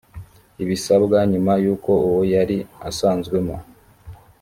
ibisabwa nyuma y uko uwo yari asanzwemo